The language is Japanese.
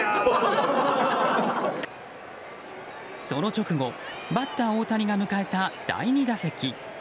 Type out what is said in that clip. その直後バッター大谷が迎えた第２打席。